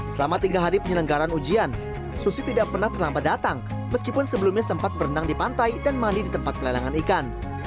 selama tiga hari penyelenggaran ujian susi tidak pernah terlambat datang meskipun sebelumnya sempat berenang di pantai dan mandi di tempat pelelangan ikan